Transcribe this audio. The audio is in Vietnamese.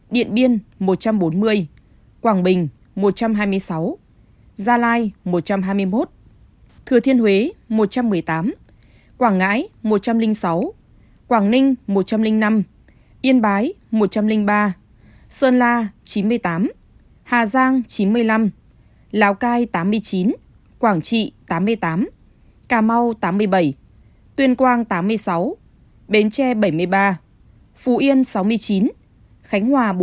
điện biên một trăm bốn mươi quảng bình một trăm hai mươi sáu gia lai một trăm hai mươi một thừa thiên huế một trăm một mươi tám quảng ngãi một trăm linh sáu quảng ninh một trăm linh năm yên bái một trăm linh ba sơn la chín mươi tám hà giang chín mươi năm lào cai tám mươi chín quảng trị tám mươi tám cà mau tám mươi bảy tuyên quang tám mươi sáu bến tre bảy mươi ba phú yên sáu mươi chín khánh hòa bốn mươi